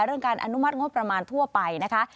การอนุมัติงบประมาณทั่วไปนะคะ